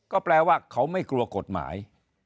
ก็แปลว่าเขาไม่กลัวกฎหมาย